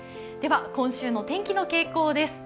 今週の天気の傾向です。